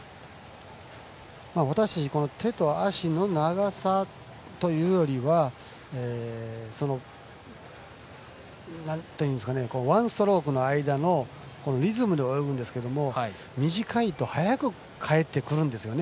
私たち、手と足の長さというよりはワンストロークの間のリズムで泳ぐんですけども短いと速く返ってくるんですね。